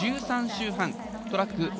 １３周半トラック